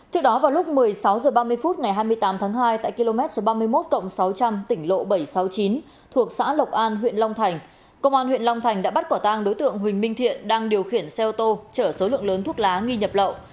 trước đó vào lúc một mươi sáu h ba mươi phút ngày hai mươi tám tháng hai tại km ba mươi một sáu trăm linh tỉnh lộ bảy trăm sáu mươi chín thuộc xã lộc an huyện long thành công an huyện long thành đã bắt quả tang đối tượng huỳnh minh thiện đang điều khiển xe ô tô chở số lượng lớn thuốc lá nghi nhập lậu